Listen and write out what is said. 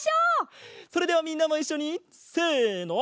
それではみんなもいっしょにせの。